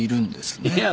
いや。